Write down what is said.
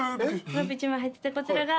トランプ１枚入っててこちらが。